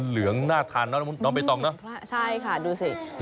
เหลืองน่าทานเนอะน้องใบตองเนอะใช่ค่ะดูสิ